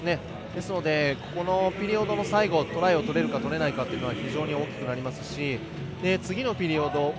このピリオドの最後トライを取れるかどうかというのが非常に大きくなりますし次のピリオド